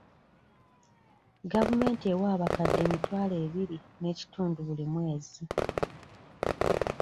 Gavumenti ewa abakadde emitwalo ebiri n'ekitundu buli mwezi.